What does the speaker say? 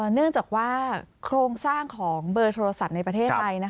เนื่องจากว่าโครงสร้างของเบอร์โทรศัพท์ในประเทศไทย